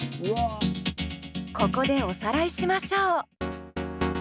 ここでおさらいしましょう。